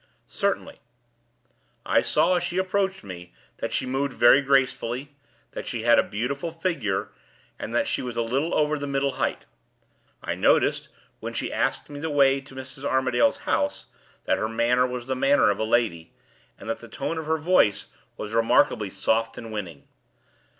"Certainly. I saw, as she approached me, that she moved very gracefully, that she had a beautiful figure, and that she was a little over the middle height. I noticed, when she asked me the way to Mrs. Armadale's house, that her manner was the manner of a lady, and that the tone of her voice was remarkably soft and winning.